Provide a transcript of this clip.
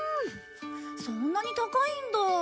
そんなに高いんだ。